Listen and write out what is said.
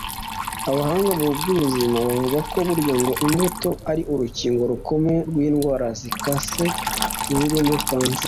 Abahanga mu by’ubuzima bavuga ko burya ngo imbuto ari urukingo rukomeye rw’indwara zikaze zirimo kanseri